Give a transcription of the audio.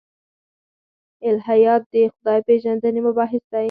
الهیات د خدای پېژندنې مباحث دي.